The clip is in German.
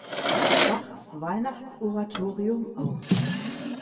Bachs Weihnachtsoratorium auf.